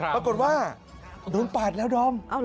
ปรากฏว่าโดนปาดแล้วดอม